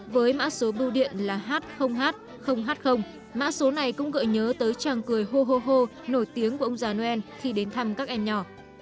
với mã số bưu điện là h h h mã số này cũng gợi nhớ tới chàng cười hô hô hô nổi tiếng của ông già noel khi đến thăm các em nhỏ